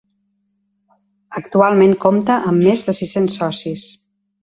Actualment compta amb més de sis-cents socis.